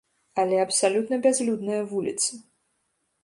Але абсалютна бязлюдная вуліца.